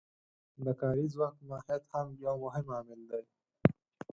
د کاري ځواک ماهیت هم یو مهم عامل دی